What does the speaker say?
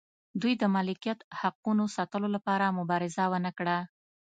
دوی د ملکیت حقونو ساتلو لپاره مبارزه ونه کړه.